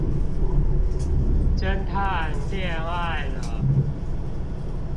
偵探戀愛了